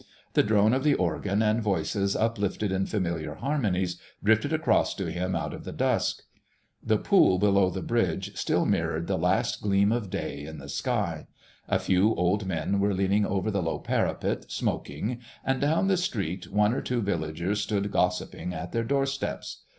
The drone of the organ and voices uplifted in familiar harmonies drifted across to him out of the dusk. The pool below the bridge still mirrored the last gleams of day in the sky: a few old men were leaning over the low parapet smoking, and down the street one or two villagers stood gossiping at their doorsteps.